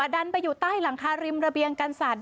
ดันไปอยู่ใต้หลังคาริมระเบียงกันสัตว